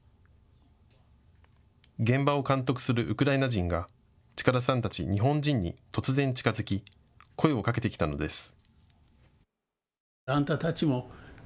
現場を監督するウクライナ人が近田さんたち日本人に突然、近づき声をかけてきたのです。